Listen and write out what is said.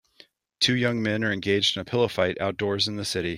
Two young men are engaged in a pillow fight outdoors in the city.